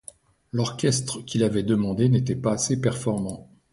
L'orchestre qu'il avait demandé n'était pas assez performant.